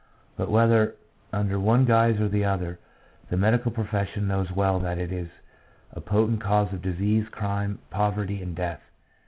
. but whether under one guise or the other, the medical profession knows well that it is a potent cause of disease, crime, poverty, and death."